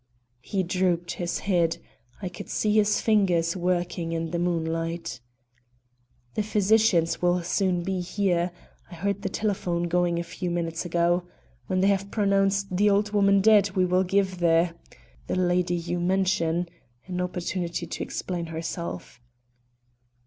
He drooped his head; I could see his fingers working in the moonlight. "The physicians will soon be here. I heard the telephone going a few minutes ago. When they have pronounced the old woman dead we will give the the lady you mention an opportunity to explain herself."